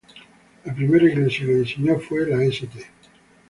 La primera iglesia que diseñó fue la St.